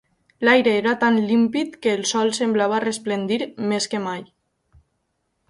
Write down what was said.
L'aire era tan límpid, que el sol semblava resplendir més que mai.